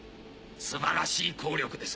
素晴らしい効力です